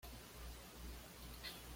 Semillas: De variada forma.